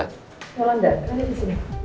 yolanda kenapa di sini